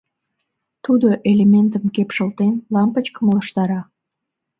— Тудо, элементым кепшылтен, лампычкым ылыжтара.